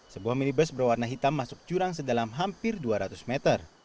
sebuah minibus berwarna hitam masuk jurang sedalam hampir dua ratus meter